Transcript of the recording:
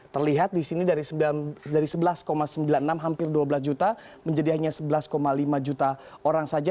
terlihat di sini dari sebelas sembilan puluh enam hampir dua belas juta menjadi hanya sebelas lima juta orang saja